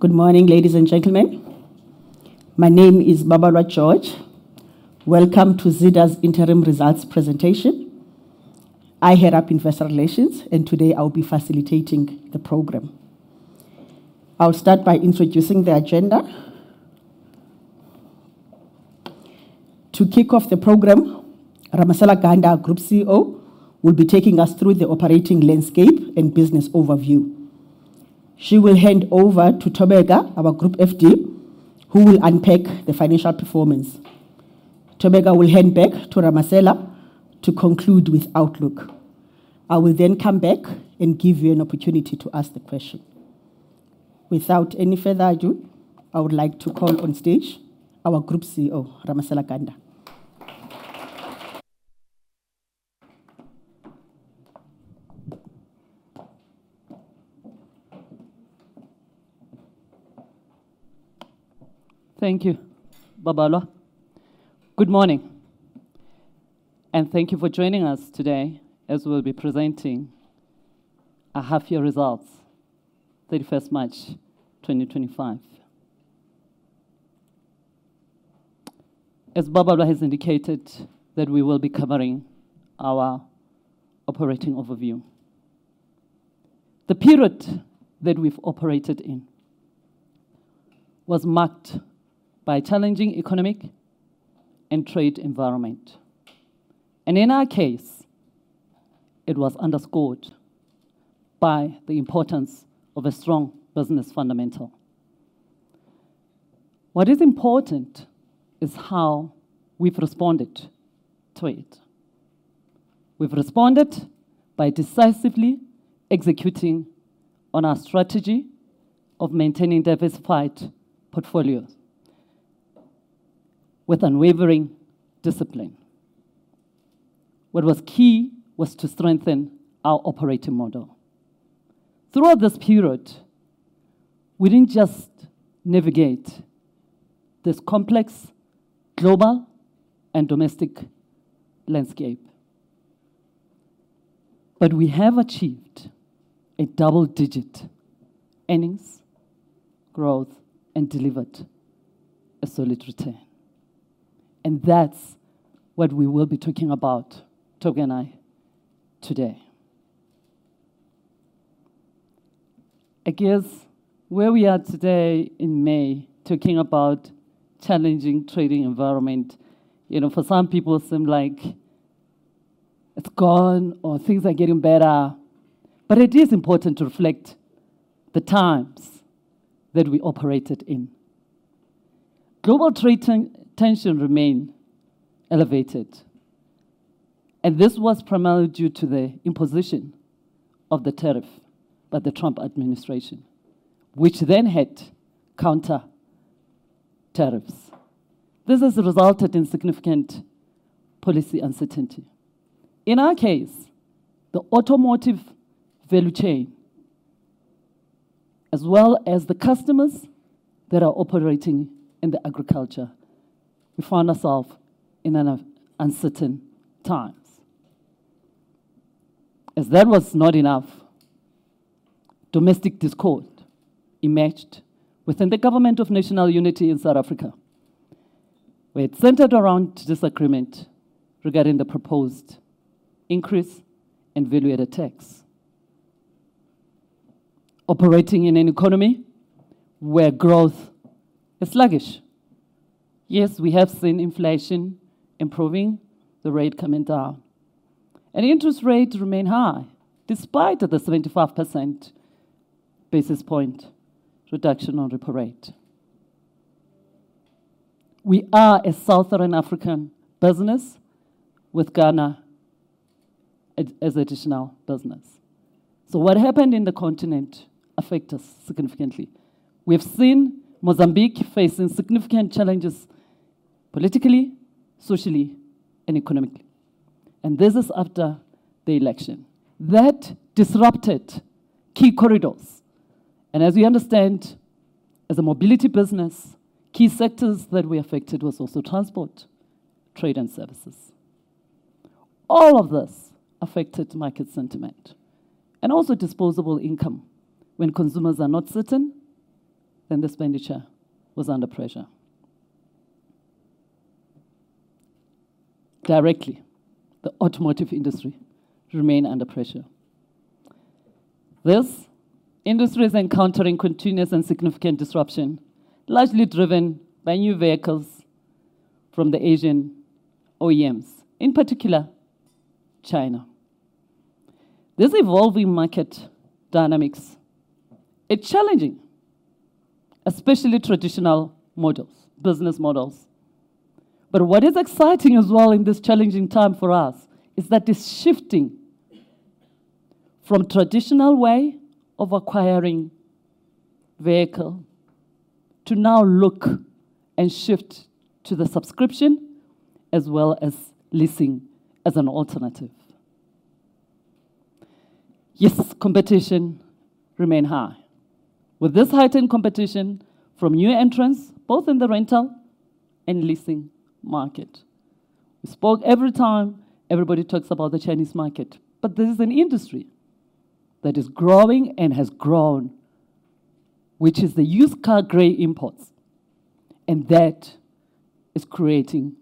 Good morning, ladies and gentlemen. My name is Babalwa George. Welcome to Zeda's Interim Results Presentation. I head up investor relations, and today I'll be facilitating the program. I'll start by introducing the agenda. To kick off the program, Ramasela Ganda, Group CEO, will be taking us through the operating landscape and business overview. She will hand over to Thobeka, our Group FD, who will unpack the financial performance. Tomega will hand back to Ramasela to conclude with Outlook. I will then come back and give you an opportunity to ask the question. Without any further ado, I would like to call on stage our Group CEO, Ramasela Ganda. Thank you, Babalwa. Good morning, and thank you for joining us today as we'll be presenting our half-year results on 31st March 2025. As Barbara has indicated, we will be covering our operating overview. The period that we've operated in was marked by a challenging economic and trade environment, and in our case, it was underscored by the importance of a strong business fundamental. What is important is how we've responded to it. We've responded by decisively executing on our strategy of maintaining diversified portfolios with unwavering discipline. What was key was to strengthen our operating model. Throughout this period, we didn't just navigate this complex global and domestic landscape, but we have achieved a double-digit earnings growth and delivered a solid return. That's what we will be talking about, Thobeka and I, today. I guess where we are today in May, talking about the challenging trading environment, you know, for some people seems like it's gone or things are getting better, but it is important to reflect the times that we operated in. Global trade tensions remain elevated, and this was primarily due to the imposition of the tariff by the Trump administration, which then had counter tariffs. This has resulted in significant policy uncertainty. In our case, the automotive value chain, as well as the customers that are operating in the agriculture, we found ourselves in uncertain times. As that was not enough, domestic discord emerged within the government of National Unity in South Africa, where it centered around disagreement regarding the proposed increase in valuator tax. Operating in an economy where growth is sluggish, yes, we have seen inflation improving, the rate coming down, and interest rates remain high despite the 75 basis point reduction on the repo rate. We are a Southern African business with Ghana as an additional business. What happened in the continent affected us significantly. We have seen Mozambique facing significant challenges politically, socially, and economically, and this is after the election. That disrupted key corridors, and as we understand, as a mobility business, key sectors that were affected were also transport, trade, and services. All of this affected market sentiment and also disposable income. When consumers are not certain, then the expenditure was under pressure. Directly, the automotive industry remained under pressure. This industry is encountering continuous and significant disruption, largely driven by new vehicles from the Asian OEMs, in particular China. This evolving market dynamics is challenging, especially traditional business models. What is exciting as well in this challenging time for us is that this shifting from the traditional way of acquiring vehicles to now look and shift to the subscription as well as leasing as an alternative. Yes, competition remained high. With this heightened competition from new entrants, both in the rental and leasing market, we spoke every time everybody talks about the Chinese market, but this is an industry that is growing and has grown, which is the used car gray imports, and that is creating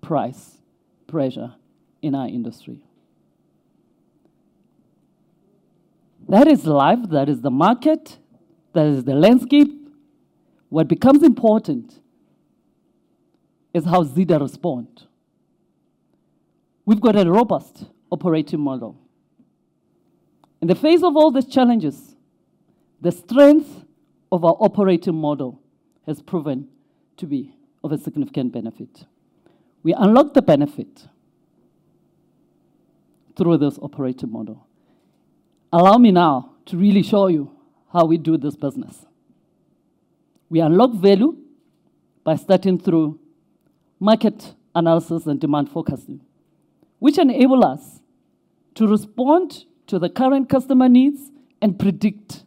price pressure in our industry. That is life. That is the market. That is the landscape. What becomes important is how Zeda responds. We've got a robust operating model. In the face of all these challenges, the strength of our operating model has proven to be of a significant benefit. We unlock the benefit through this operating model. Allow me now to really show you how we do this business. We unlock value by starting through market analysis and demand forecasting, which enables us to respond to the current customer needs and predict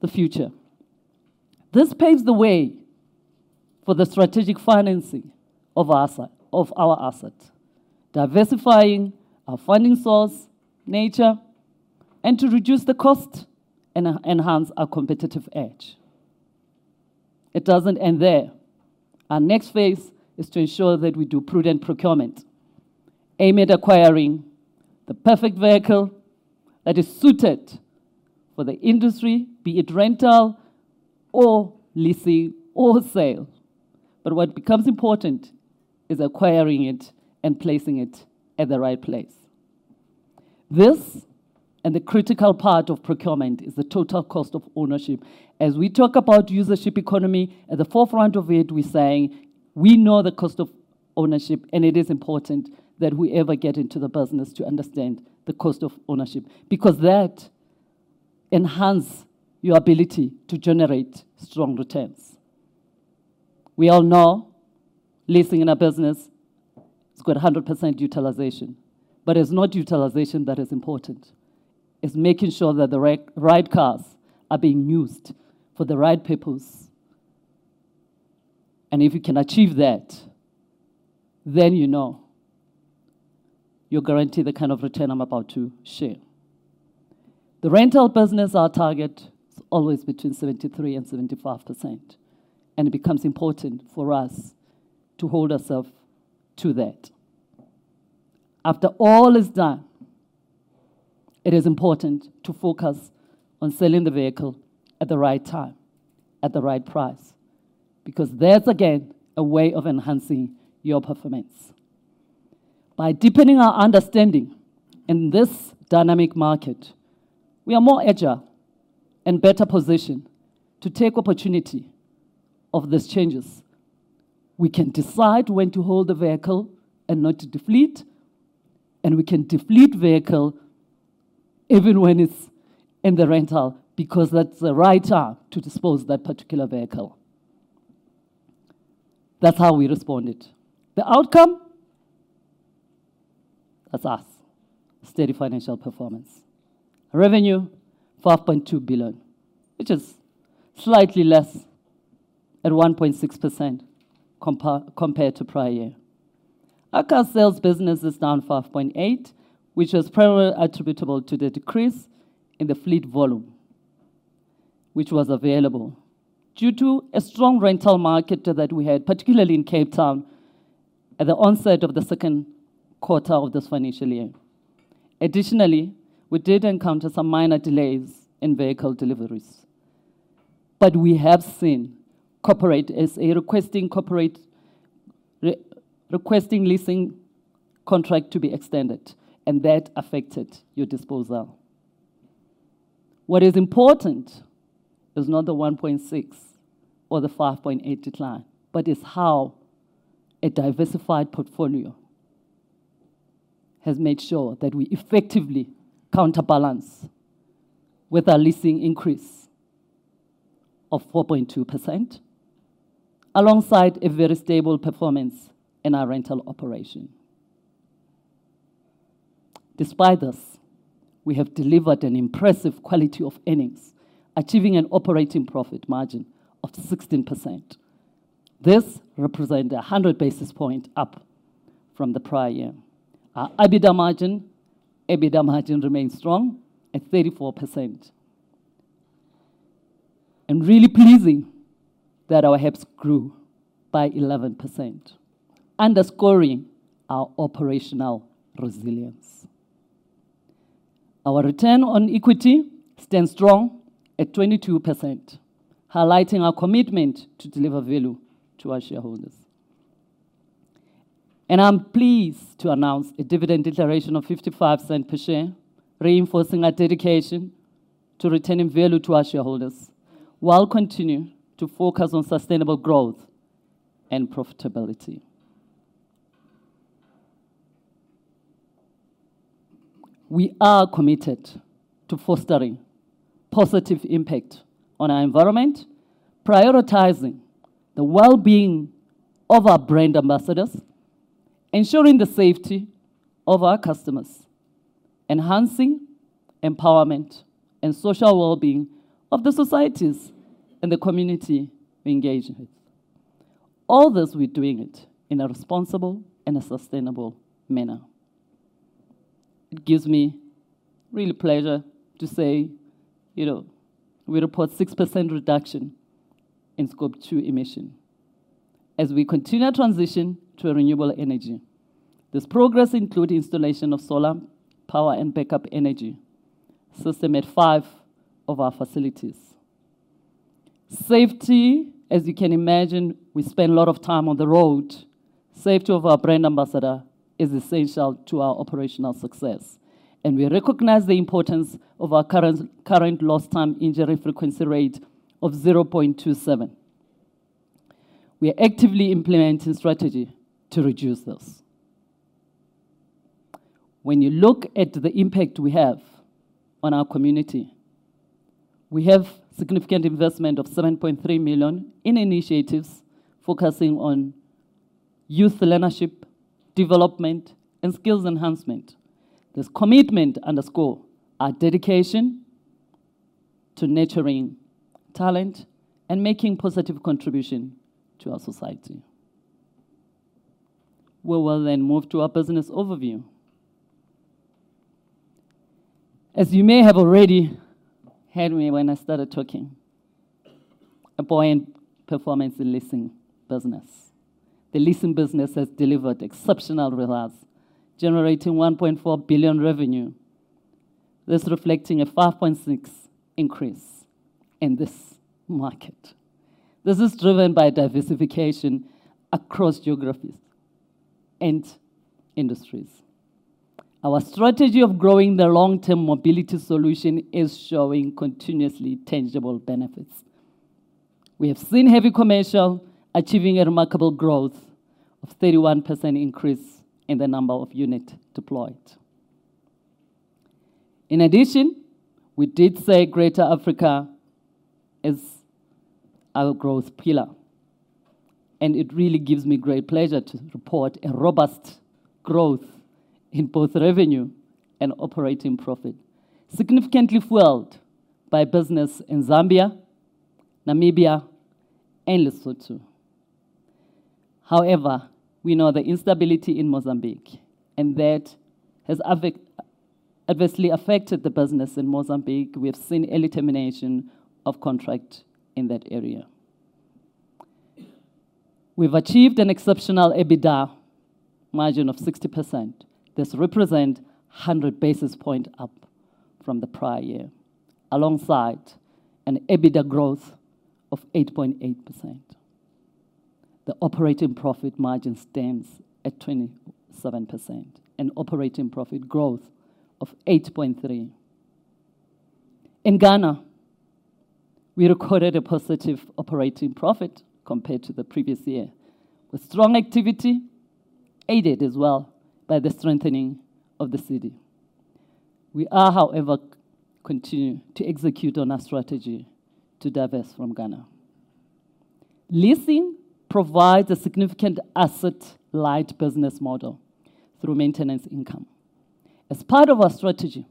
the future. This paves the way for the strategic financing of our assets, diversifying our funding source nature to reduce the cost and enhance our competitive edge. It does not end there. Our next phase is to ensure that we do prudent procurement, aimed at acquiring the perfect vehicle that is suited for the industry, be it rental or leasing or sale. What becomes important is acquiring it and placing it at the right place. The critical part of procurement is the total cost of ownership. As we talk about usership economy, at the forefront of it, we're saying we know the cost of ownership, and it is important that we ever get into the business to understand the cost of ownership because that enhances your ability to generate strong returns. We all know leasing in a business has got 100% utilization, but it's not utilization that is important. It's making sure that the right cars are being used for the right people. If you can achieve that, then you know you're guaranteed the kind of return I'm about to share. The rental business, our target is always between 73% and 75%, and it becomes important for us to hold ourselves to that. After all is done, it is important to focus on selling the vehicle at the right time, at the right price, because there's, again, a way of enhancing your performance. By deepening our understanding in this dynamic market, we are more agile and better positioned to take the opportunity of these changes. We can decide when to hold the vehicle and not to defleet it, and we can defleet the vehicle even when it's in the rental because that's the right time to dispose of that particular vehicle. That's how we responded. The outcome? That's us. Steady financial performance. Revenue, 5.2 billion, which is slightly less at 1.6% compared to prior year. Our car sales business is down 5.8%, which is primarily attributable to the decrease in the fleet volume, which was available due to a strong rental market that we had, particularly in Cape Town, at the onset of the second quarter of this financial year. Additionally, we did encounter some minor delays in vehicle deliveries, but we have seen corporate SA requesting leasing contracts to be extended, and that affected your disposal. What is important is not the 1.6% or the 5.8% decline, but it's how a diversified portfolio has made sure that we effectively counterbalance with our leasing increase of 4.2%, alongside a very stable performance in our rental operation. Despite this, we have delivered an impressive quality of earnings, achieving an operating profit margin of 16%. This represents a 100 basis point up from the prior year. Our EBITDA margin remains strong at 34%, and really pleasing that our EBITDA grew by 11%, underscoring our operational resilience. Our return on equity stands strong at 22%, highlighting our commitment to deliver value to our shareholders. I'm pleased to announce a dividend declaration of 0.55 per share, reinforcing our dedication to returning value to our shareholders while continuing to focus on sustainable growth and profitability. We are committed to fostering a positive impact on our environment, prioritizing the well-being of our brand ambassadors, ensuring the safety of our customers, enhancing empowerment and social well-being of the societies and the community we engage with. All this we're doing it in a responsible and a sustainable manner. It gives me real pleasure to say, you know, we report a 6% reduction in Scope 2 emissions as we continue our transition to renewable energy. This progress includes the installation of solar power and backup energy systems at five of our facilities. Safety, as you can imagine, we spend a lot of time on the road. The safety of our brand ambassador is essential to our operational success, and we recognize the importance of our current lost time injury frequency rate of 0.27. We are actively implementing strategies to reduce this. When you look at the impact we have on our community, we have a significant investment of 7.3 million in initiatives focusing on youth leadership, development, and skills enhancement. This commitment underscores our dedication to nurturing talent and making a positive contribution to our society. We will then move to our business overview. As you may have already heard me when I started talking, a buoyant performance in the leasing business. The leasing business has delivered exceptional results, generating 1.4 billion revenue. This is reflecting a 5.6% increase in this market. This is driven by diversification across geographies and industries. Our strategy of growing the long-term mobility solution is showing continuously tangible benefits. We have seen heavy commercial achieving a remarkable growth of a 31% increase in the number of units deployed. In addition, we did say Greater Africa is our growth pillar, and it really gives me great pleasure to report a robust growth in both revenue and operating profit, significantly fueled by business in Zambia, Namibia, and Lesotho. However, we know the instability in Mozambique, and that has adversely affected the business in Mozambique. We have seen early termination of contracts in that area. We've achieved an exceptional EBITDA margin of 60%. This represents 100 basis points up from the prior year, alongside an EBITDA growth of 8.8%. The operating profit margin stands at 27%, an operating profit growth of 8.3%. In Ghana, we recorded a positive operating profit compared to the previous year, with strong activity aided as well by the strengthening of the cedi. We are, however, continuing to execute on our strategy to diversify from Ghana. Leasing provides a significant asset-light business model through maintenance income. As part of our strategy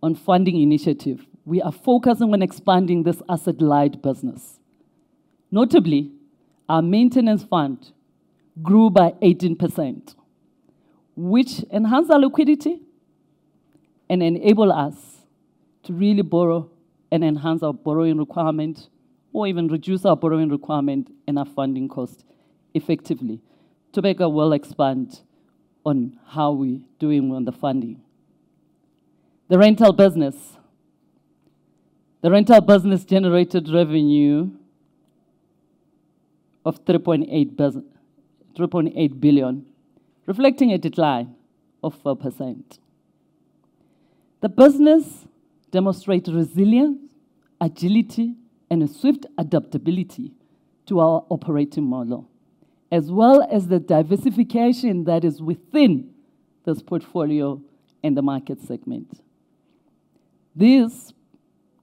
on funding initiative, we are focusing on expanding this asset-light business. Notably, our maintenance fund grew by 18%, which enhances our liquidity and enables us to really borrow and enhance our borrowing requirement or even reduce our borrowing requirement and our funding cost effectively. Thobeka will expand on how we're doing on the funding. The rental business, the rental business generated revenue of 3.8 billion, reflecting a decline of 4%. The business demonstrated resilience, agility, and a swift adaptability to our operating model, as well as the diversification that is within this portfolio and the market segment. This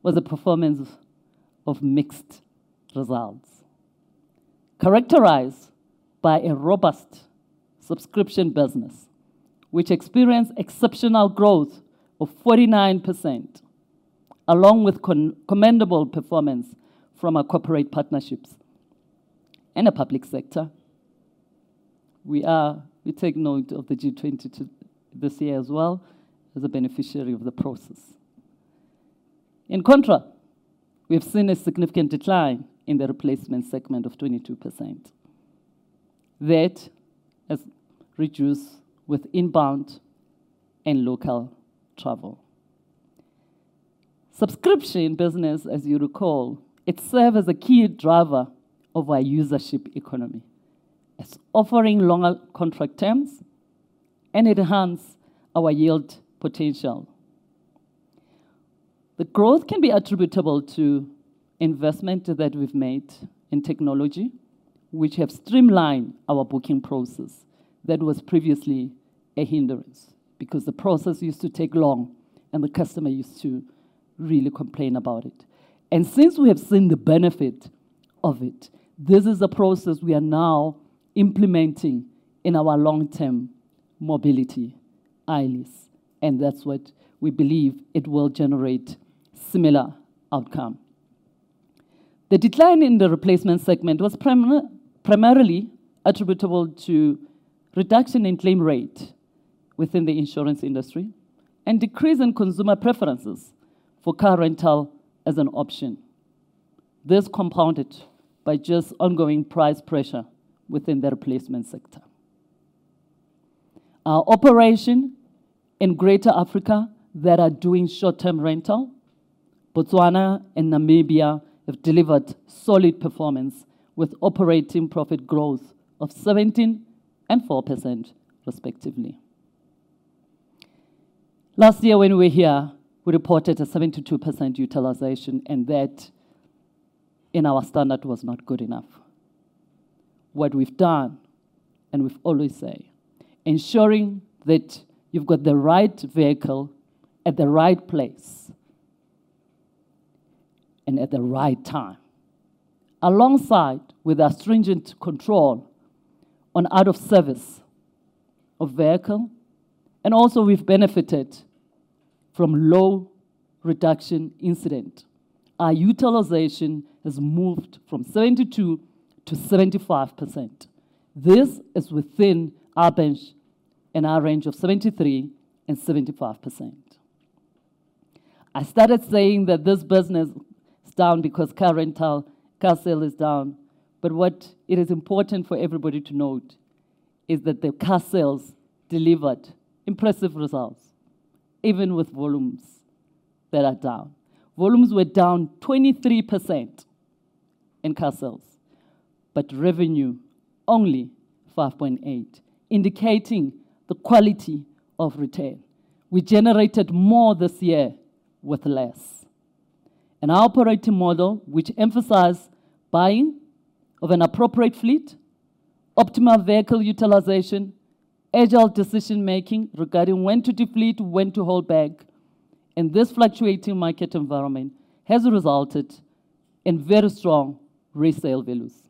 was a performance of mixed results, characterized by a robust subscription business, which experienced exceptional growth of 49%, along with commendable performance from our corporate partnerships and the public sector. We take note of the G20 this year as well as a beneficiary of the process. In contrast, we have seen a significant decline in the replacement segment of 22%. That has reduced with inbound and local travel. Subscription business, as you recall, serves as a key driver of our usership economy. It's offering longer contract terms and enhances our yield potential. The growth can be attributable to investment that we've made in technology, which has streamlined our booking process that was previously a hindrance because the process used to take long and the customer used to really complain about it. Since we have seen the benefit of it, this is a process we are now implementing in our long-term mobility eyelids, and that is what we believe it will generate a similar outcome. The decline in the replacement segment was primarily attributable to a reduction in claim rate within the insurance industry and a decrease in consumer preferences for car rental as an option. This is compounded by just ongoing price pressure within the replacement sector. Our operation in Greater Africa that are doing short-term rental, Botswana and Namibia, have delivered solid performance with operating profit growth of 17% and 4%, respectively. Last year, when we were here, we reported a 72% utilization, and that in our standard was not good enough. What we've done, and we've always said, is ensuring that you've got the right vehicle at the right place and at the right time, alongside our stringent control on out-of-service vehicles. Also, we've benefited from low reduction incidents. Our utilization has moved from 72% to 75%. This is within our bench and our range of 73%-75%. I started saying that this business is down because car rental, car sales is down, but what is important for everybody to note is that the car sales delivered impressive results, even with volumes that are down. Volumes were down 23% in car sales, but revenue only 5.8%, indicating the quality of return. We generated more this year with less. Our operating model, which emphasized buying of an appropriate fleet, optimal vehicle utilization, agile decision-making regarding when to defleet, when to hold back, in this fluctuating market environment has resulted in very strong resale values.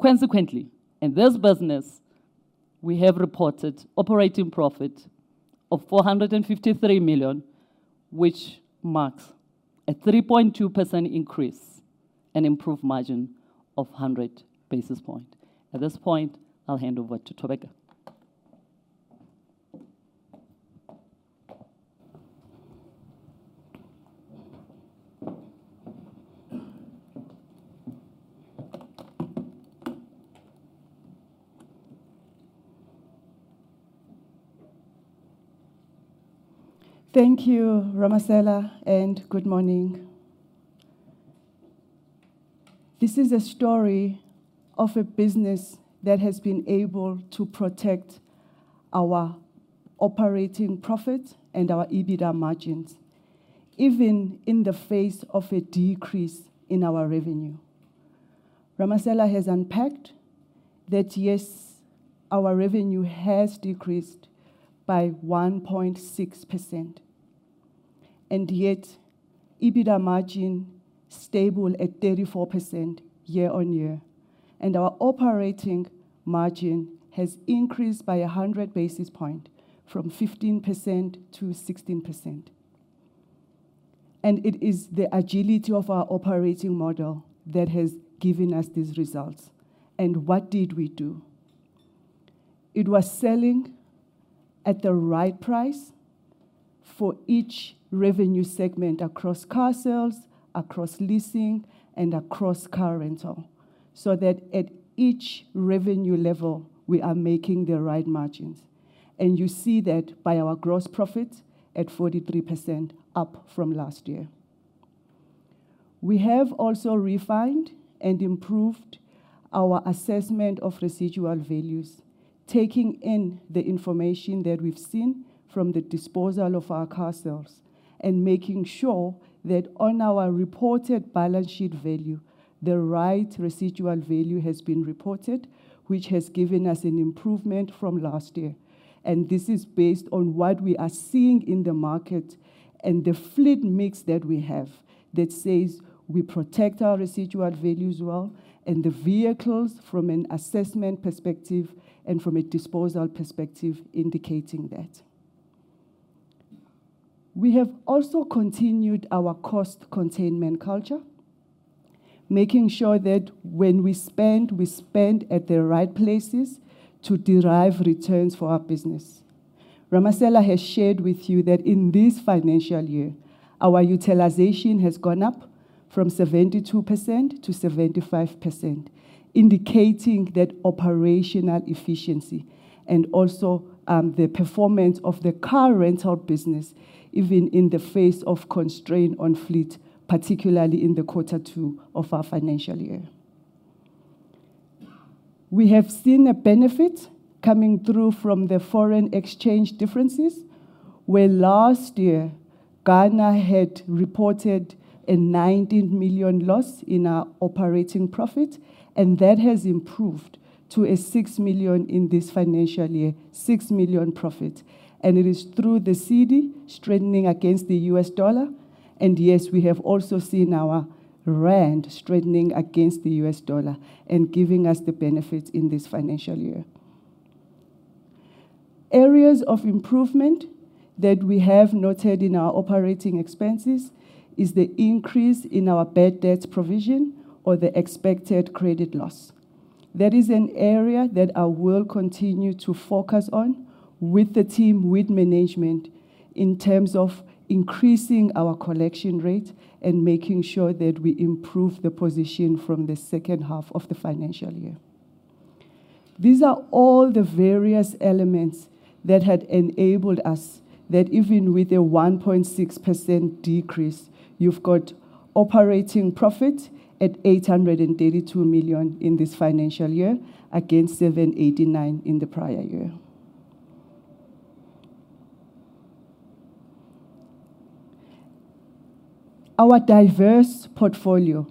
Consequently, in this business, we have reported operating profit of 453 million, which marks a 3.2% increase and improved margin of 100 basis points. At this point, I'll hand over to Thobeka. Thank you, Ramasela, and good morning. This is a story of a business that has been able to protect our operating profit and our EBITDA margins even in the face of a decrease in our revenue. Ramasela has unpacked that, yes, our revenue has decreased by 1.6%, and yet EBITDA margin is stable at 34% year-on-year, and our operating margin has increased by 100 basis points from 15% to 16%. It is the agility of our operating model that has given us these results. What did we do? It was selling at the right price for each revenue segment across car sales, across leasing, and across car rental, so that at each revenue level, we are making the right margins. You see that by our gross profit at 43% up from last year. We have also refined and improved our assessment of residual values, taking in the information that we have seen from the disposal of our car sales and making sure that on our reported balance sheet value, the right residual value has been reported, which has given us an improvement from last year. This is based on what we are seeing in the market and the fleet mix that we have that says we protect our residual values well and the vehicles from an assessment perspective and from a disposal perspective indicating that. We have also continued our cost containment culture, making sure that when we spend, we spend at the right places to derive returns for our business. Ramasela has shared with you that in this financial year, our utilization has gone up from 72% to 75%, indicating that operational efficiency and also the performance of the car rental business, even in the face of constraints on fleet, particularly in the quarter two of our financial year. We have seen a benefit coming through from the foreign exchange differences, where last year, Ghana had reported a GHS 19 million loss in our operating profit, and that has improved to a GHS 6 million in this financial year, GHS 6 million profit. It is through the Cedi strengthening against the U.S. dollar. Yes, we have also seen our Rand strengthening against the U.S. dollar and giving us the benefits in this financial year. Areas of improvement that we have noted in our operating expenses is the increase in our bad debt provision or the expected credit loss. That is an area that I will continue to focus on with the team, with management, in terms of increasing our collection rate and making sure that we improve the position from the second half of the financial year. These are all the various elements that had enabled us that even with a 1.6% decrease, you've got operating profit at 832 million in this financial year against 789 million in the prior year. Our diverse portfolio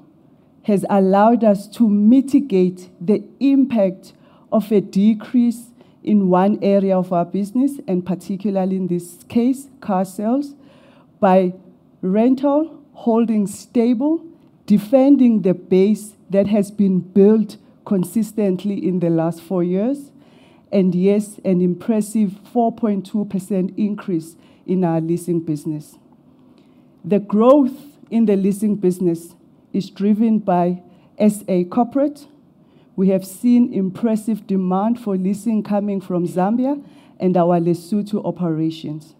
has allowed us to mitigate the impact of a decrease in one area of our business, and particularly in this case, car sales, by rental holding stable, defending the base that has been built consistently in the last four years, and yes, an impressive 4.2% increase in our leasing business. The growth in the leasing business is driven by SA corporate. We have seen impressive demand for leasing coming from Zambia and our Lesotho operations.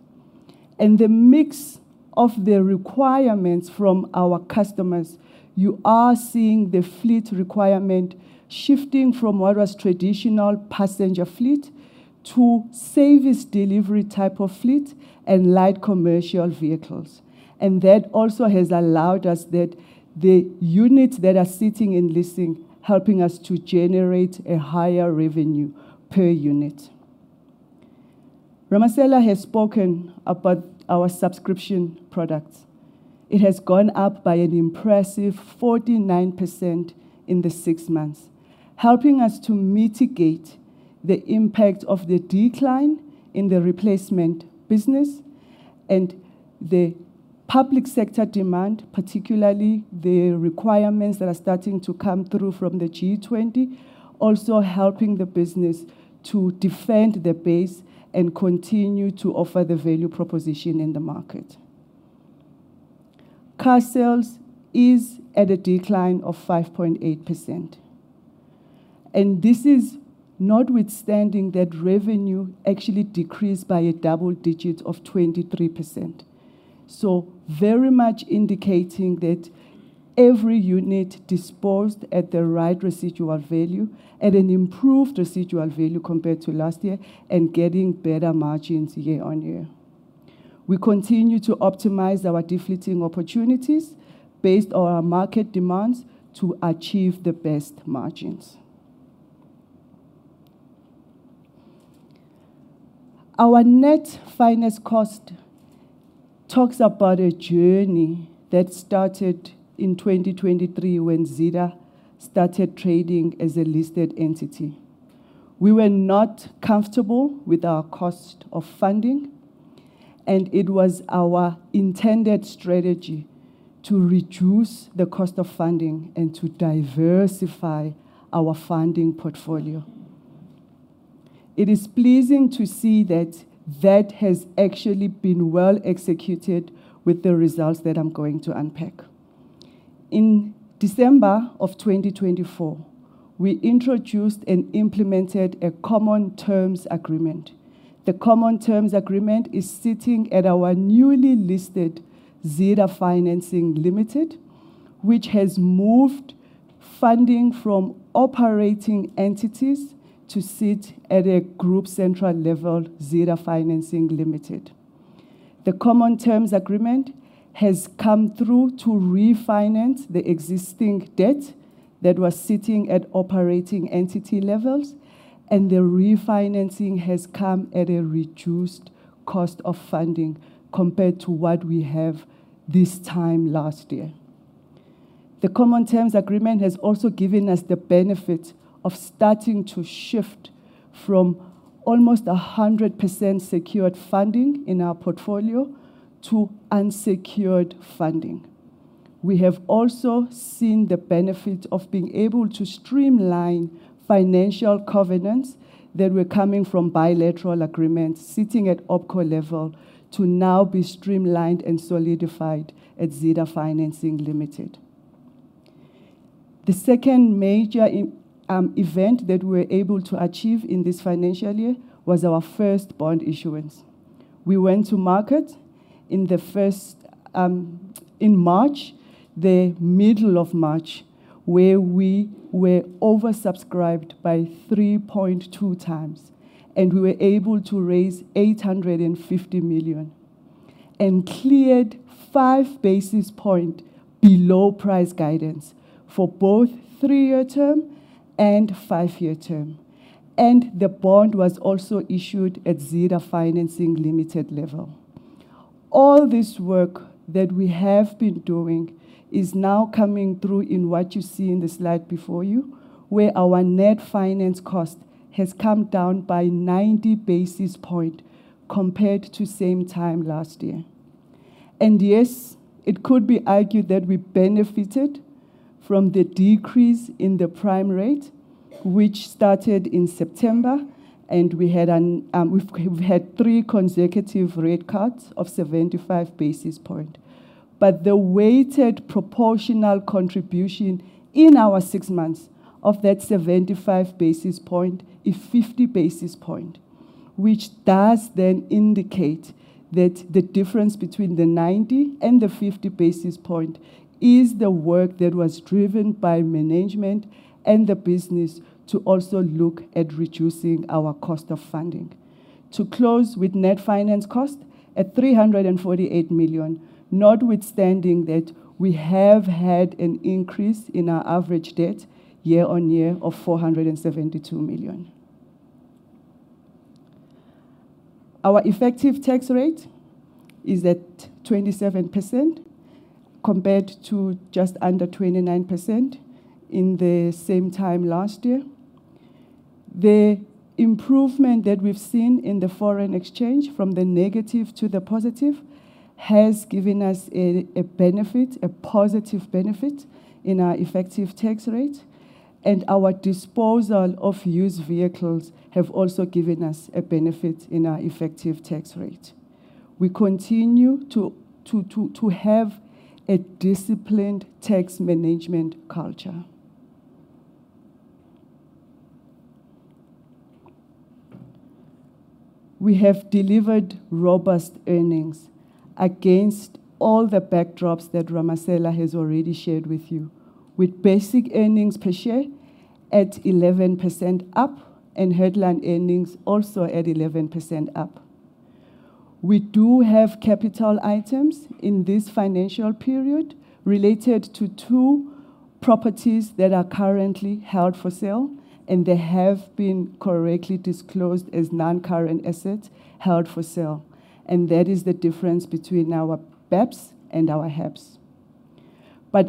And the mix of the requirements from our customers, you are seeing the fleet requirement shifting from what was traditional passenger fleet to service delivery type of fleet and light commercial vehicles. That also has allowed us that the units that are sitting in leasing are helping us to generate a higher revenue per unit. Ramasela has spoken about our subscription products. It has gone up by an impressive 49% in the six months, helping us to mitigate the impact of the decline in the replacement business and the public sector demand, particularly the requirements that are starting to come through from the G20, also helping the business to defend the base and continue to offer the value proposition in the market. Car sales is at a decline of 5.8%. This is notwithstanding that revenue actually decreased by a double digit of 23%. Very much indicating that every unit disposed at the right residual value, at an improved residual value compared to last year, and getting better margins year on year. We continue to optimize our deflating opportunities based on our market demands to achieve the best margins. Our net finance cost talks about a journey that started in 2023 when Zeda started trading as a listed entity. We were not comfortable with our cost of funding, and it was our intended strategy to reduce the cost of funding and to diversify our funding portfolio. It is pleasing to see that that has actually been well executed with the results that I'm going to unpack. In December of 2024, we introduced and implemented a common terms agreement. The common terms agreement is sitting at our newly listed Zeda Financing Ltd, which has moved funding from operating entities to sit at a group central level, Zeda Financing Ltd. The Common Terms Agreement has come through to refinance the existing debt that was sitting at operating entity levels, and the refinancing has come at a reduced cost of funding compared to what we have this time last year. The Common Terms Agreement has also given us the benefit of starting to shift from almost 100% secured funding in our portfolio to unsecured funding. We have also seen the benefit of being able to streamline financial covenants that were coming from bilateral agreements sitting at OpCo level to now be streamlined and solidified at Zeda Financing Ltd. The second major event that we were able to achieve in this financial year was our first bond issuance. We went to market in the first in March, the middle of March, where we were oversubscribed by 3.2x, and we were able to raise 850 million and cleared five basis points below price guidance for both three-year term and five-year term. The bond was also issued at Zeda Financing Ltd level. All this work that we have been doing is now coming through in what you see in the slide before you, where our net finance cost has come down by 90 basis points compared to the same time last year. Yes, it could be argued that we benefited from the decrease in the prime rate, which started in September, and we had three consecutive rate cuts of 75 basis points. The weighted proportional contribution in our six months of that 75 basis points is 50 basis points, which does then indicate that the difference between the 90 and the 50 basis points is the work that was driven by management and the business to also look at reducing our cost of funding. To close with net finance cost at 348 million, notwithstanding that we have had an increase in our average debt year on year of 472 million. Our effective tax rate is at 27% compared to just under 29% in the same time last year. The improvement that we've seen in the foreign exchange from the negative to the positive has given us a benefit, a positive benefit in our effective tax rate, and our disposal of used vehicles have also given us a benefit in our effective tax rate. We continue to have a disciplined tax management culture. We have delivered robust earnings against all the backdrops that Ramasela has already shared with you, with basic earnings per share at 11% up and headline earnings also at 11% up. We do have capital items in this financial period related to two properties that are currently held for sale, and they have been correctly disclosed as non-current assets held for sale. That is the difference between our BEPS and our HEPS.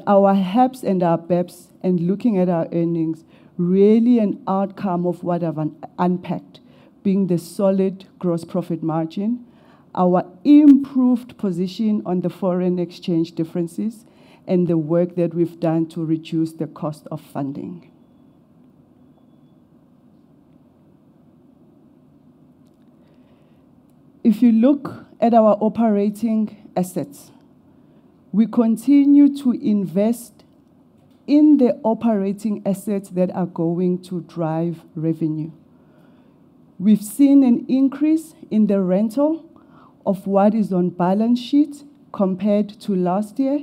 Our HEPS and our BEPS, and looking at our earnings, really an outcome of what I've unpacked being the solid gross profit margin, our improved position on the foreign exchange differences, and the work that we've done to reduce the cost of funding. If you look at our operating assets, we continue to invest in the operating assets that are going to drive revenue. We've seen an increase in the rental of what is on balance sheet compared to last year,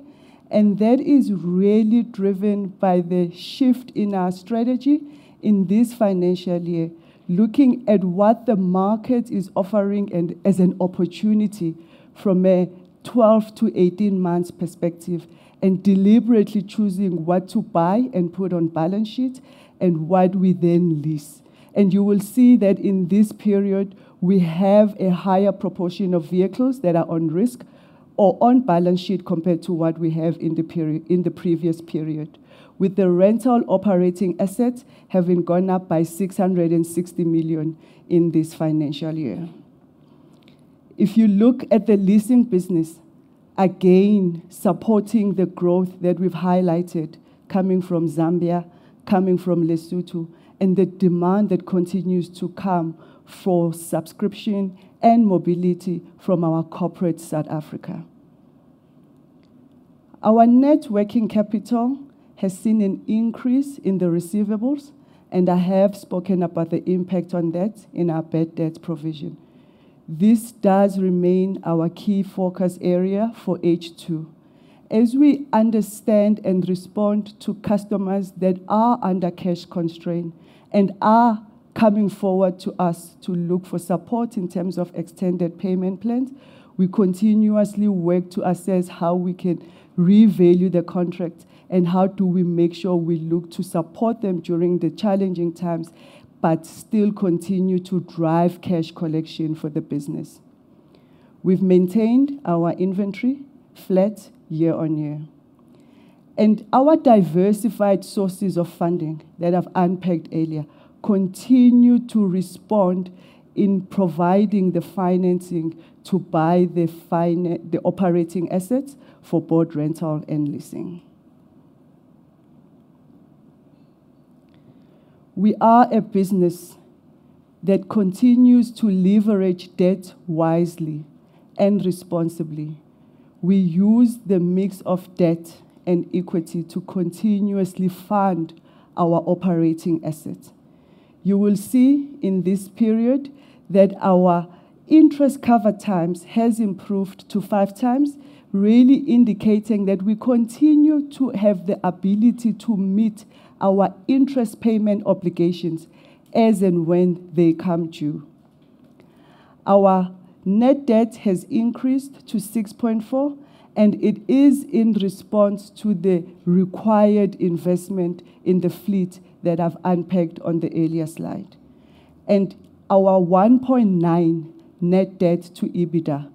and that is really driven by the shift in our strategy in this financial year, looking at what the market is offering as an opportunity from a 12-18 months perspective and deliberately choosing what to buy and put on balance sheet and what we then lease. You will see that in this period, we have a higher proportion of vehicles that are on risk or on balance sheet compared to what we have in the previous period, with the rental operating assets having gone up by 660 million in this financial year. If you look at the leasing business, again, supporting the growth that we've highlighted coming from Zambia, coming from Lesotho, and the demand that continues to come for subscription and mobility from our corporate South Africa. Our net working capital has seen an increase in the receivables, and I have spoken about the impact on that in our bad debt provision. This does remain our key focus area for H2. As we understand and respond to customers that are under cash constraint and are coming forward to us to look for support in terms of extended payment plans, we continuously work to assess how we can revalue the contract and how do we make sure we look to support them during the challenging times, but still continue to drive cash collection for the business. We have maintained our inventory flat year-on-year. Our diversified sources of funding that I have unpacked earlier continue to respond in providing the financing to buy the operating assets for both rental and leasing. We are a business that continues to leverage debt wisely and responsibly. We use the mix of debt and equity to continuously fund our operating assets. You will see in this period that our interest cover times have improved to five times, really indicating that we continue to have the ability to meet our interest payment obligations as and when they come due. Our net debt has increased to 6.4 billion, and it is in response to the required investment in the fleet that I've unpacked on the earlier slide. Our 1.9 net debt to EBITDA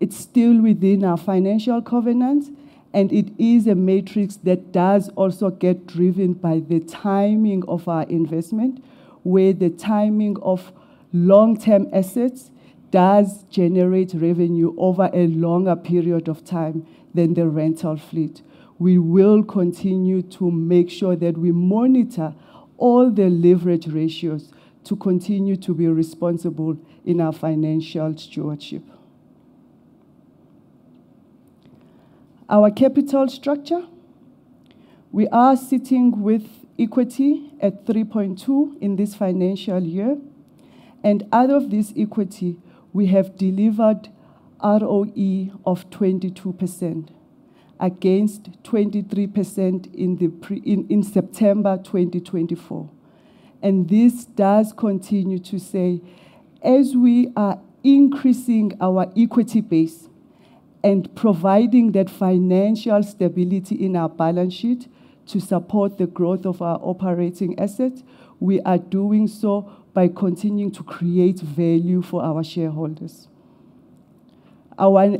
is still within our financial covenants, and it is a matrix that does also get driven by the timing of our investment, where the timing of long-term assets does generate revenue over a longer period of time than the rental fleet. We will continue to make sure that we monitor all the leverage ratios to continue to be responsible in our financial stewardship. Our capital structure, we are sitting with equity at 3.2 billion in this financial year, and out of this equity, we have delivered ROE of 22% against 23% in September 2024. This does continue to say, as we are increasing our equity base and providing that financial stability in our balance sheet to support the growth of our operating assets, we are doing so by continuing to create value for our shareholders. Our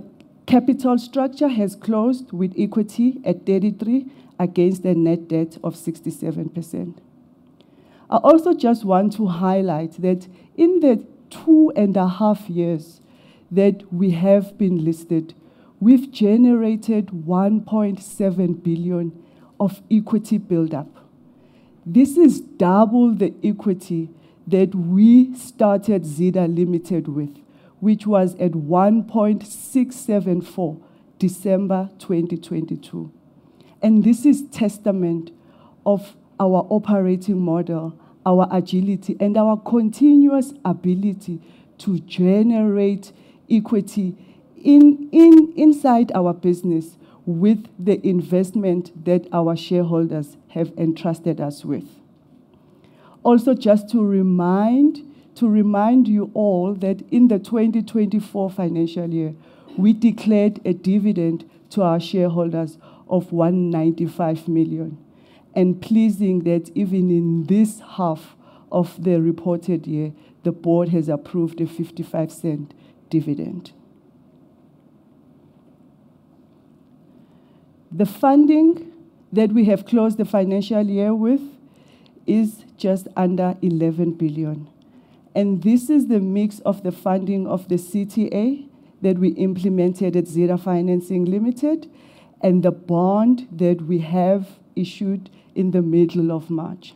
capital structure has closed with equity at 33% against a net debt of 67%. I also just want to highlight that in the two and a half years that we have been listed, we've generated 1.7 billion of equity buildup. This is double the equity that we started Zeda with, which was at 1.674 billion in December 2022. This is testament of our operating model, our agility, and our continuous ability to generate equity inside our business with the investment that our shareholders have entrusted us with. Also, just to remind you all that in the 2024 financial year, we declared a dividend to our shareholders of 195 million, and pleasing that even in this half of the reported year, the board has approved a 0.55 dividend. The funding that we have closed the financial year with is just under 11 billion. This is the mix of the funding of the Common Terms Agreement that we implemented at Zeda Financing Ltd and the bond that we have issued in the middle of March.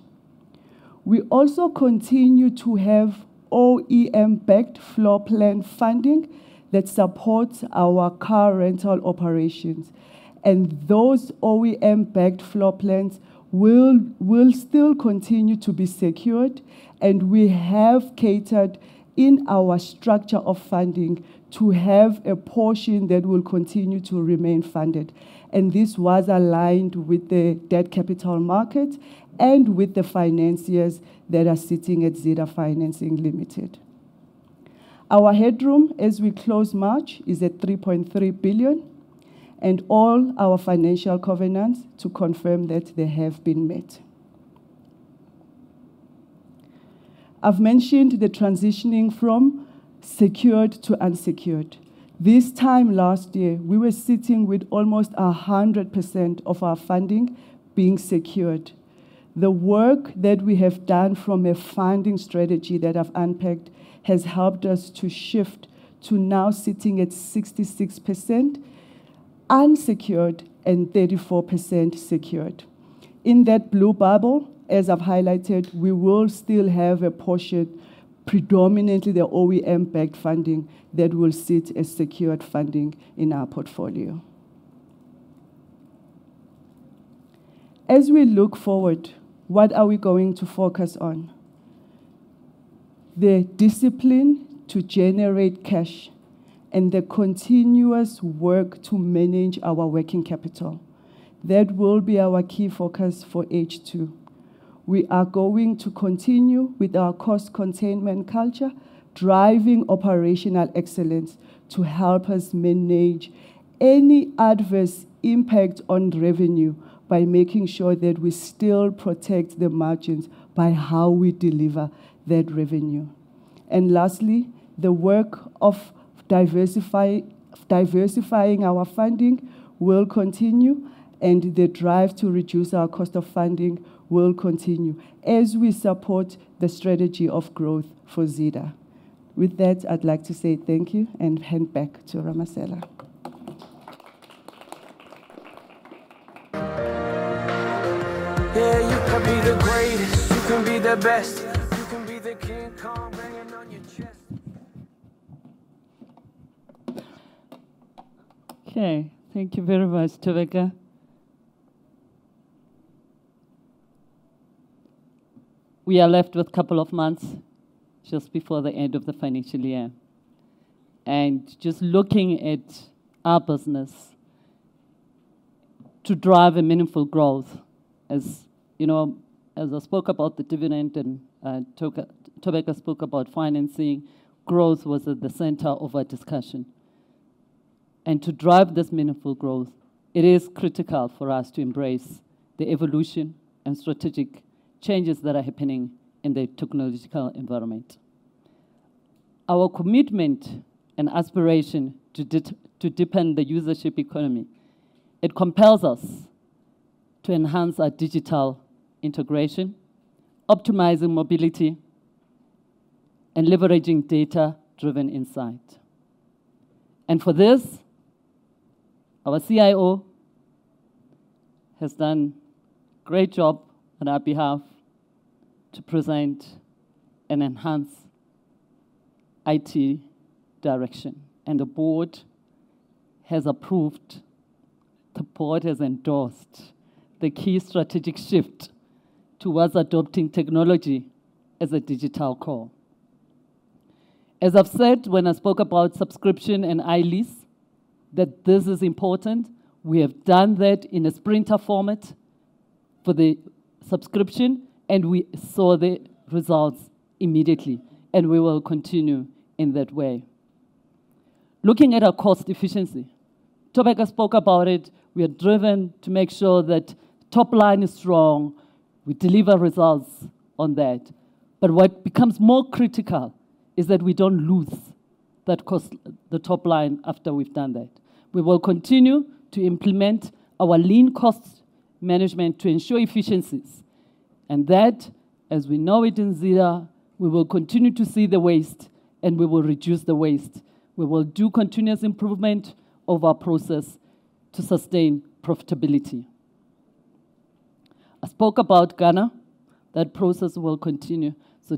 We also continue to have OEM backed floor plan funding that supports our car rental operations. Those OEM backed floor plans will still continue to be secured, and we have catered in our structure of funding to have a portion that will continue to remain funded. This was aligned with the debt capital market and with the financiers that are sitting at Zeda Financing Limited. Our headroom as we close March is at 3.3 billion, and all our financial covenants to confirm that they have been met. I've mentioned the transitioning from secured to unsecured. This time last year, we were sitting with almost 100% of our funding being secured. The work that we have done from a funding strategy that I've unpacked has helped us to shift to now sitting at 66% unsecured and 34% secured. In that blue bubble, as I've highlighted, we will still have a portion, predominantly the OEM backed funding that will sit as secured funding in our portfolio. As we look forward, what are we going to focus on? The discipline to generate cash and the continuous work to manage our working capital. That will be our key focus for H2. We are going to continue with our cost containment culture, driving operational excellence to help us manage any adverse impact on revenue by making sure that we still protect the margins by how we deliver that revenue. Lastly, the work of diversifying our funding will continue, and the drive to reduce our cost of funding will continue as we support the strategy of growth for Zeda. With that, I'd like to say thank you and hand back to Ramasela. Yeah, you can be the greatest, you can be the best, you can be the king crown banging on your chest. Okay, thank you very much, Thobeka. We are left with a couple of months just before the end of the financial year. Just looking at our business to drive a meaningful growth, as you know, as I spoke about the dividend and Tomega spoke about financing, growth was at the center of our discussion. To drive this meaningful growth, it is critical for us to embrace the evolution and strategic changes that are happening in the technological environment. Our commitment and aspiration to deepen the usership economy, it compels us to enhance our digital integration, optimizing mobility and leveraging data-driven insight. For this, our CIO has done a great job on our behalf to present and enhance IT direction. The board has approved, the board has endorsed the key strategic shift towards adopting technology as a digital core. As I've said when I spoke about subscription and iLease, that this is important, we have done that in a sprinter format for the subscription, and we saw the results immediately, and we will continue in that way. Looking at our cost efficiency, Tomega spoke about it, we are driven to make sure that top line is strong, we deliver results on that. What becomes more critical is that we do not lose that cost, the top line after we've done that. We will continue to implement our lean cost management to ensure efficiencies. That, as we know it in Zeda, we will continue to see the waste and we will reduce the waste. We will do continuous improvement of our process to sustain profitability. I spoke about Ghana, that process will continue.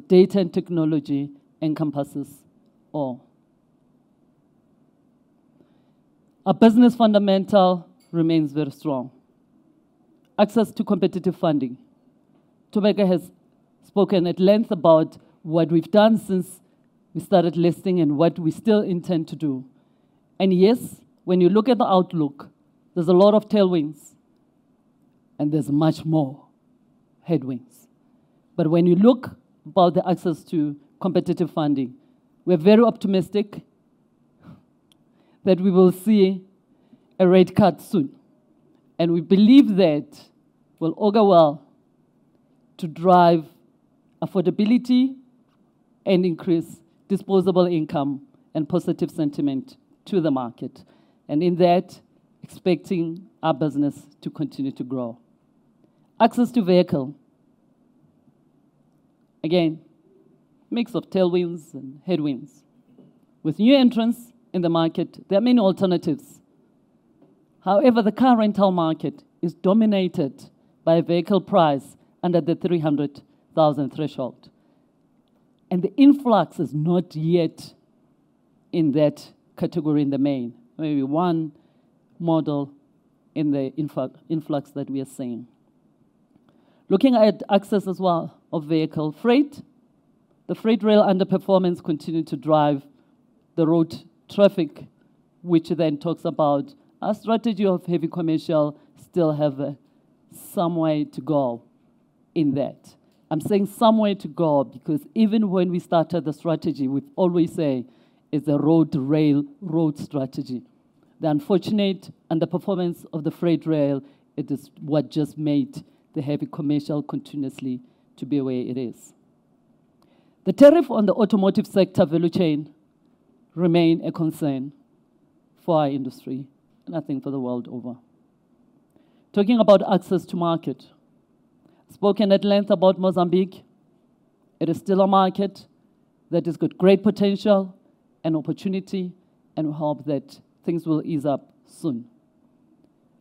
Data and technology encompasses all. Our business fundamental remains very strong. Access to competitive funding. Tomega has spoken at length about what we have done since we started listing and what we still intend to do. Yes, when you look at the outlook, there are a lot of tailwinds and there is much more headwinds. When you look at the access to competitive funding, we are very optimistic that we will see a rate cut soon. We believe that will augur well to drive affordability and increase disposable income and positive sentiment to the market. In that, expecting our business to continue to grow. Access to vehicle, again, mix of tailwinds and headwinds. With new entrants in the market, there are many alternatives. However, the car rental market is dominated by vehicle price under the 300,000 threshold. The influx is not yet in that category in the main, maybe one model in the influx that we are seeing. Looking at access as well of vehicle freight, the freight rail underperformance continues to drive the road traffic, which then talks about our strategy of heavy commercial still have some way to go in that. I'm saying some way to go because even when we started the strategy, we always say it's a road rail road strategy. The unfortunate underperformance of the freight rail, it is what just made the heavy commercial continuously to be where it is. The tariff on the automotive sector value chain remains a concern for our industry, and I think for the world over. Talking about access to market, I spoke at length about Mozambique. It is still a market that has got great potential and opportunity, and we hope that things will ease up soon.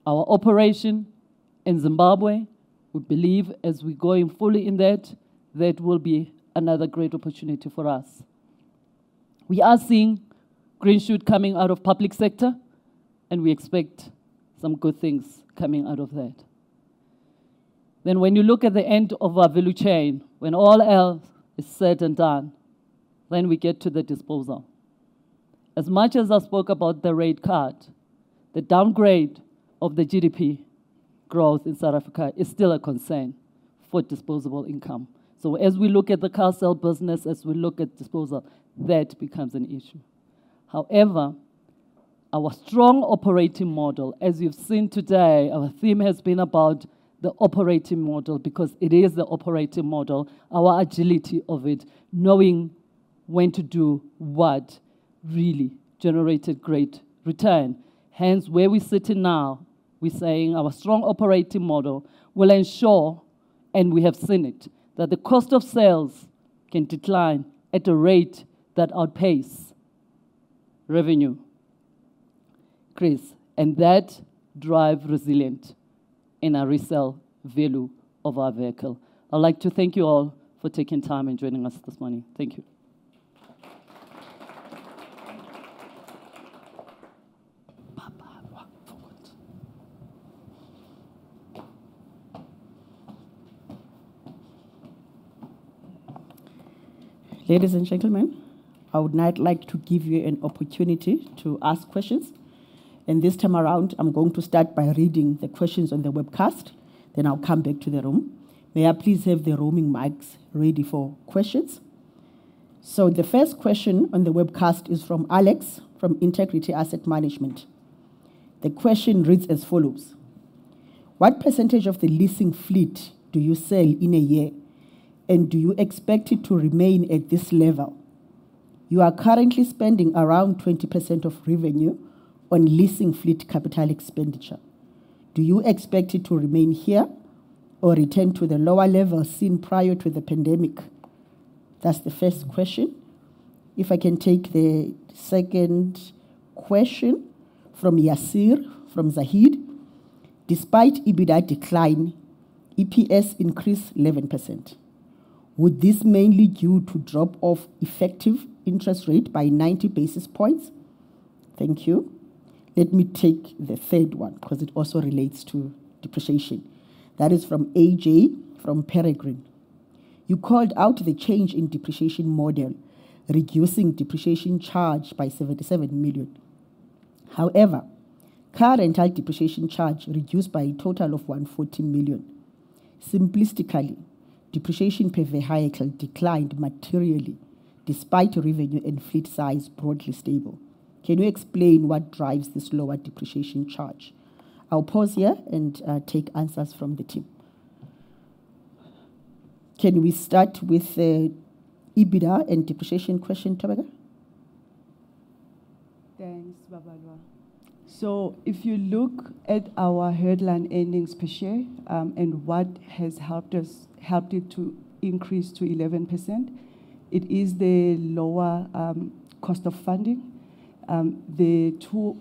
Our operation in Zimbabwe, we believe as we go in fully in that, that will be another great opportunity for us. We are seeing green shoot coming out of public sector, and we expect some good things coming out of that. When you look at the end of our value chain, when all else is said and done, then we get to the disposal. As much as I spoke about the rate cut, the downgrade of the GDP growth in South Africa is still a concern for disposable income. As we look at the car sale business, as we look at disposal, that becomes an issue. However, our strong operating model, as you've seen today, our theme has been about the operating model because it is the operating model. Our agility of it, knowing when to do what, really generated great return. Hence, where we sit in now, we're saying our strong operating model will ensure, and we have seen it, that the cost of sales can decline at a rate that outpaces revenue. Chris, and that drives resilient in our resale value of our vehicle. I'd like to thank you all for taking time and joining us this morning. Thank you. Ladies and gentlemen, I would now like to give you an opportunity to ask questions. At this time, I'm going to start by reading the questions on the webcast, then I'll come back to the room. May I please have the roaming mics ready for questions? The first question on the webcast is from Alex from Integrity Asset Management. The question reads as follows. What percentage of the leasing fleet do you sell in a year, and do you expect it to remain at this level? You are currently spending around 20% of revenue on leasing fleet capital expenditure. Do you expect it to remain here or return to the lower level seen prior to the pandemic? That's the first question. If I can take the second question from Yasir from Zahid. Despite EBITDA decline, EPS increased 11%. Would this mainly be due to drop of effective interest rate by 90 basis points? Thank you. Let me take the third one because it also relates to depreciation. That is from AJ from Peregrine. You called out the change in depreciation model, reducing depreciation charge by 77 million. However, car rental depreciation charge reduced by a total of 140 million. Simplistically, depreciation per vehicle declined materially despite revenue and fleet size broadly stable. Can you explain what drives this lower depreciation charge? I'll pause here and take answers from the team. Can we start with the EBITDA and depreciation question, Thobeka? Thanks, Babalwa. If you look at our headline earnings per share and what has helped us, helped it to increase to 11%, it is the lower cost of funding, the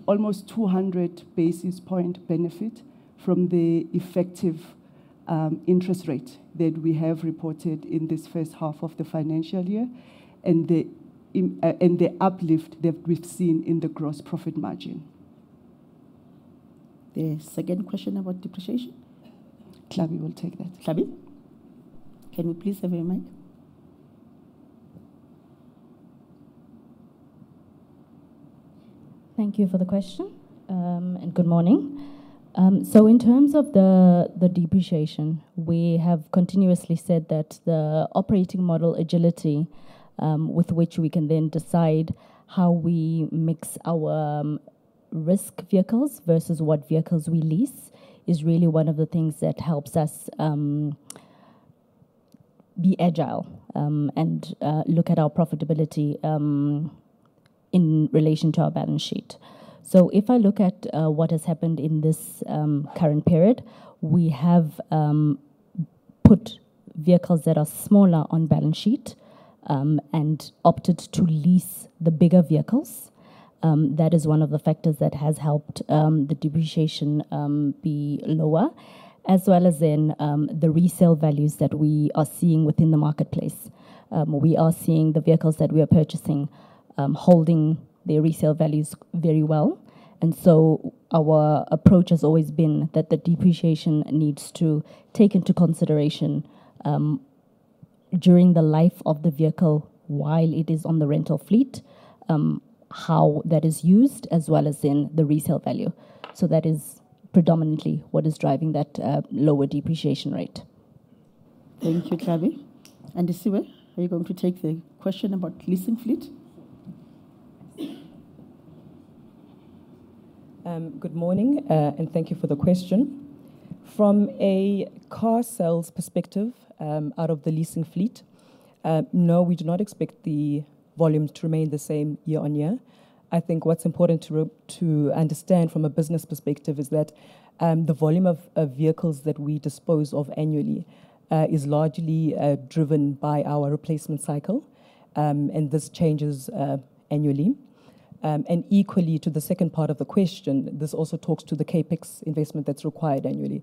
almost 200 basis point benefit from the effective interest rate that we have reported in this first half of the financial year, and the uplift that we have seen in the gross profit margin. The second question about depreciation? Tlhabi will take that. Tlhabi, can you please have a mic? Thank you for the question and good morning. In terms of the depreciation, we have continuously said that the operating model agility with which we can then decide how we mix our risk vehicles versus what vehicles we lease is really one of the things that helps us be agile and look at our profitability in relation to our balance sheet. If I look at what has happened in this current period, we have put vehicles that are smaller on balance sheet and opted to lease the bigger vehicles. That is one of the factors that has helped the depreciation be lower, as well as in the resale values that we are seeing within the marketplace. We are seeing the vehicles that we are purchasing holding their resale values very well. Our approach has always been that the depreciation needs to take into consideration during the life of the vehicle while it is on the rental fleet, how that is used as well as in the resale value. That is predominantly what is driving that lower depreciation rate. Thank you, Tlhabi. Ramasela, are you going to take the question about leasing fleet? Good morning and thank you for the question. From a car sales perspective out of the leasing fleet, no, we do not expect the volume to remain the same year on year. I think what is important to understand from a business perspective is that the volume of vehicles that we dispose of annually is largely driven by our replacement cycle, and this changes annually. Equally to the second part of the question, this also talks to the CapEx investment that is required annually,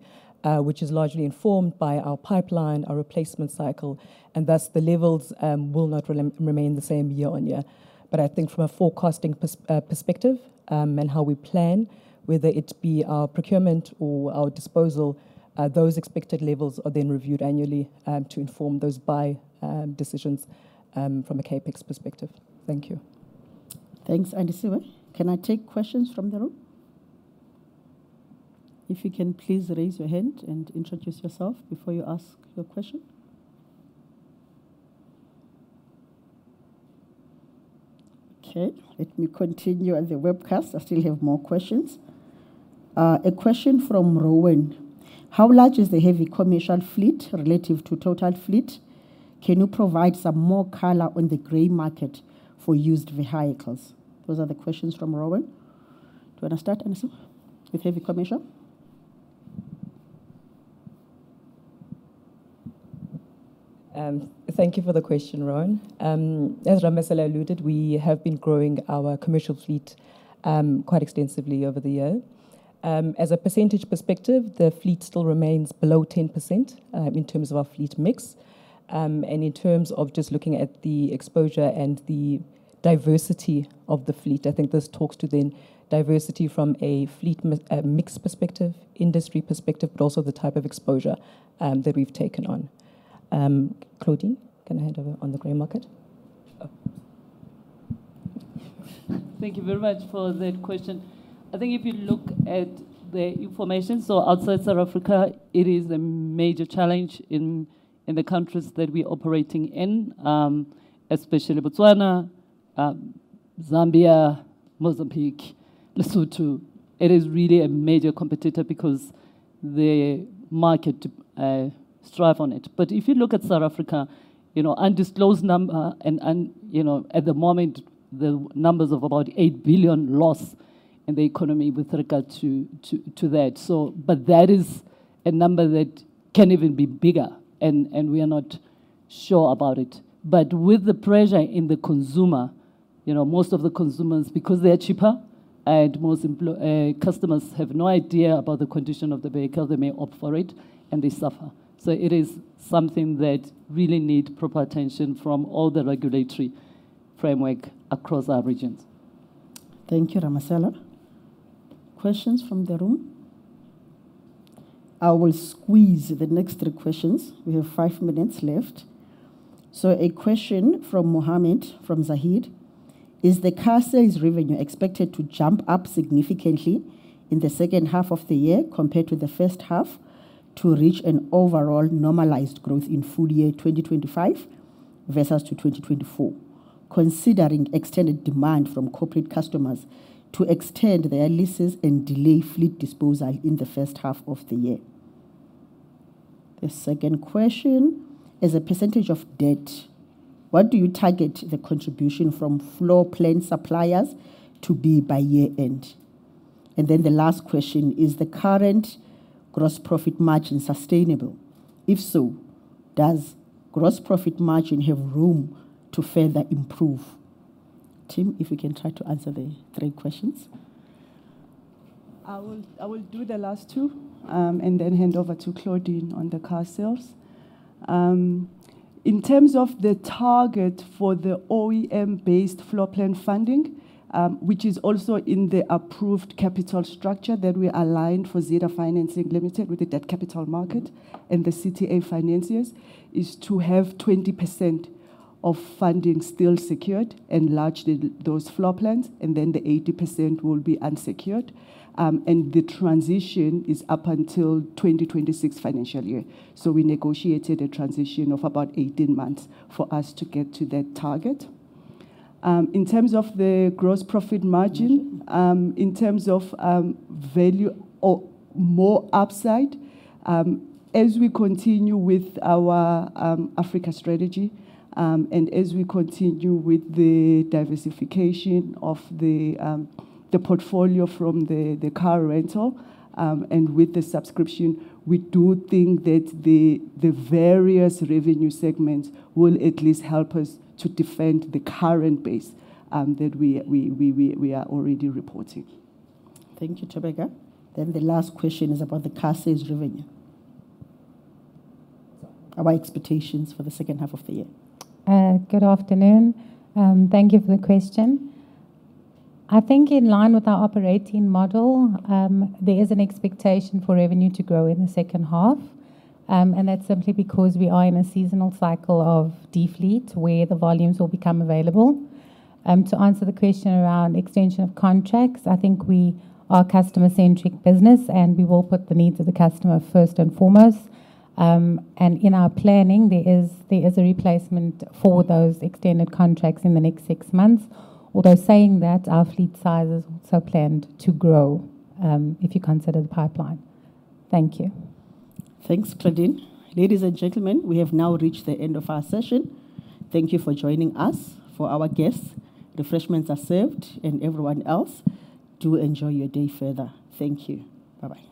which is largely informed by our pipeline, our replacement cycle, and thus the levels will not remain the same year on year. I think from a forecasting perspective and how we plan, whether it be our procurement or our disposal, those expected levels are then reviewed annually to inform those buy decisions from a CapEx perspective. Thank you. Thanks, Ramasela. Can I take questions from the room? If you can, please raise your hand and introduce yourself before you ask your question. Okay, let me continue on the webcast. I still have more questions. A question from Rowan. How large is the heavy commercial fleet relative to total fleet? Can you provide some more color on the gray market for used vehicles? Those are the questions from Rowan. Do you want to start, Ramasela, with heavy commercial? Thank you for the question, Rowan. As Ramasela alluded, we have been growing our commercial fleet quite extensively over the year. As a percentage perspective, the fleet still remains below 10% in terms of our fleet mix. In terms of just looking at the exposure and the diversity of the fleet, I think this talks to then diversity from a fleet mix perspective, industry perspective, but also the type of exposure that we've taken on. Claudine, can I hand over on the gray market? Thank you very much for that question. I think if you look at the information, so outside South Africa, it is a major challenge in the countries that we are operating in, especially Botswana, Zambia, Mozambique, Lesotho. It is really a major competitor because the market strives on it. If you look at South Africa, you know, undisclosed number, and at the moment, the numbers of about 8 billion lost in the economy with regard to that. That is a number that can even be bigger, and we are not sure about it. With the pressure in the consumer, you know, most of the consumers, because they are cheaper and most customers have no idea about the condition of the vehicle, they may opt for it and they suffer. It is something that really needs proper attention from all the regulatory framework across our regions. Thank you, Ramasela. Questions from the room? I will squeeze the next three questions. We have five minutes left. A question from Mohammed from Zahid. Is the car sales revenue expected to jump up significantly in the second half of the year compared to the first half to reach an overall normalized growth in full year 2025 versus to 2024, considering extended demand from corporate customers to extend their leases and delay fleet disposal in the first half of the year? The second question is a percentage of debt. What do you target the contribution from floor plan suppliers to be by year end? The last question is the current gross profit margin sustainable? If so, does gross profit margin have room to further improve? Tim, if you can try to answer the three questions. I will do the last two and then hand over to Claudine on the car sales. In terms of the target for the OEM-based floor plan funding, which is also in the approved capital structure that we aligned for Zeda Financing Ltd with the debt capital market and the Common Terms Agreement financiers, is to have 20% of funding still secured and largely those floor plans, and then the 80% will be unsecured. The transition is up until the 2026 financial year. We negotiated a transition of about 18 months for us to get to that target. In terms of the gross profit margin, in terms of value or more upside, as we continue with our Africa strategy and as we continue with the diversification of the portfolio from the car rental and with the subscription, we do think that the various revenue segments will at least help us to defend the current base that we are already reporting. Thank you, Thobeka. The last question is about the car sales revenue. Our expectations for the second half of the year. Good afternoon. Thank you for the question. I think in line with our operating model, there is an expectation for revenue to grow in the second half. That is simply because we are in a seasonal cycle of defleet where the volumes will become available. To answer the question around extension of contracts, I think we are a customer-centric business and we will put the needs of the customer first and foremost. In our planning, there is a replacement for those extended contracts in the next six months, although saying that our fleet size is also planned to grow if you consider the pipeline. Thank you. Thanks, Claudine. Ladies and gentlemen, we have now reached the end of our session. Thank you for joining us, for our guests. Refreshments are served and everyone else do enjoy your day further. Thank you. Bye-bye.